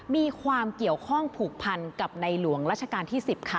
มีความเกี่ยวข้องผูกพันกับในหลวงราชการที่๑๐ค่ะ